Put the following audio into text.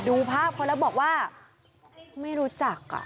ดูภาพเขาแล้วบอกว่าไม่รู้จัก